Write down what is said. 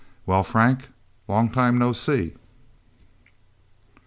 "Well, Frank! Long time no see...!"